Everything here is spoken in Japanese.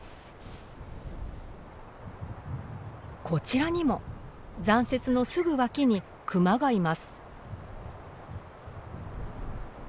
こちらにも残雪のすぐ脇にクマがいます。